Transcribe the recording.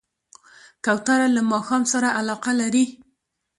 کوتره له ماښام سره علاقه لري.